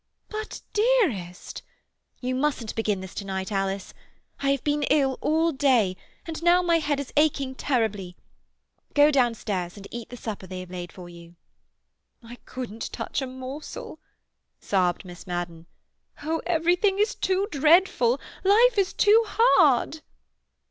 "But, dearest—" "You mustn't begin this to night, Alice. I have been ill all day, and now my head is aching terribly. Go downstairs and eat the supper they have laid for you." "I couldn't touch a morsel," sobbed Miss Madden. "Oh, everything is too dreadful! Life is too hard!"